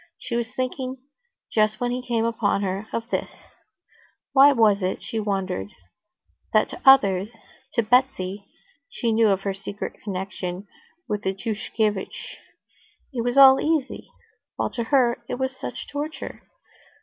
She was thinking, just when he came upon her, of this: why was it, she wondered, that to others, to Betsy (she knew of her secret connection with Tushkevitch) it was all easy, while to her it was such torture?